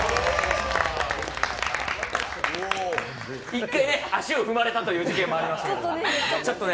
１回、足を踏まれたということもありましたが。